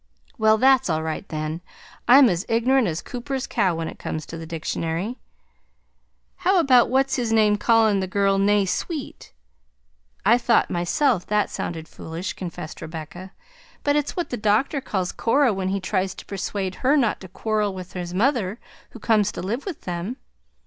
"Well, that's all right, then; I'm as ignorant as Cooper's cow when it comes to the dictionary. How about what's his name callin' the girl 'Naysweet'?" "I thought myself that sounded foolish,:" confessed Rebecca; "but it's what the Doctor calls Cora when he tries to persuade her not to quarrel with his mother who comes to live with them.